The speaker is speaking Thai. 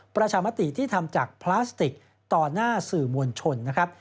ประชามติที่ทำจากพลาสติกต่อหน้าสื่อมวลชนนะครับ